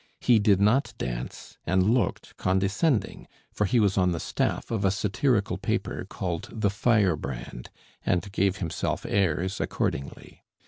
He did not dance, and looked condescending, for he was on the staff of a satirical paper called The Firebrand, and gave himself airs accordingly.